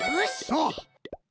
そう！